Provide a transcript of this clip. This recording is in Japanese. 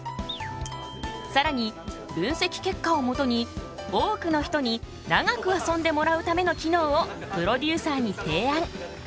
さらに分析結果をもとに多くの人に長く遊んでもらうための機能をプロデューサーに提案。